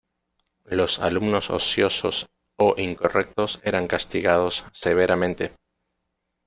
Los alumnos ociosos o incorrectos eran castigados severamente.